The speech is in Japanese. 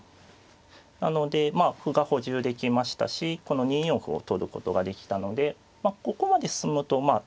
なのでまあ歩が補充できましたしこの２四歩を取ることができたのでここまで進むとまあ